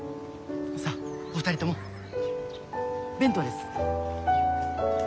さあお二人とも弁当です。